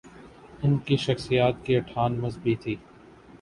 ان کی شخصیت کی اٹھان مذہبی تھی۔